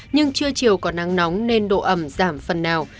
nhưng trưa chiều có nắng nóng nên độ ẩm giảm phần nào